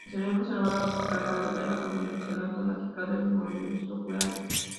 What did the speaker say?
El cerebro es el órgano encargado de la coordinación automática de los movimientos oculares.